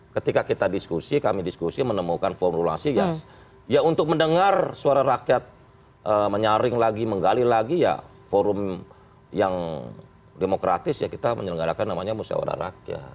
ketika kita diskusi kami diskusi menemukan formulasi ya untuk mendengar suara rakyat menyaring lagi menggali lagi ya forum yang demokratis ya kita menyelenggarakan namanya musyawarah rakyat